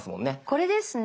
これですね。